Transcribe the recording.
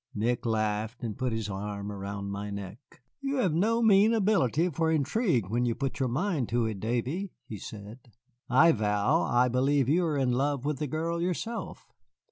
Nick laughed and put his arm around my neck. "You have no mean ability for intrigue when you put your mind to it, Davy," he said; "I vow I believe you are in love with the girl yourself."